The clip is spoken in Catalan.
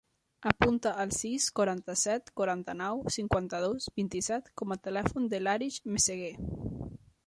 Apunta el sis, quaranta-set, quaranta-nou, cinquanta-dos, vint-i-set com a telèfon de l'Arij Meseguer.